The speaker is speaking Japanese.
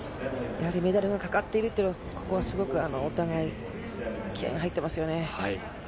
やはりメダルがかかっているという、ここはすごくお互い、気合いが入ってますよね。